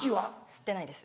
吸ってないです。